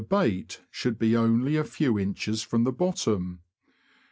285 bait should be only a few inches from the bottom.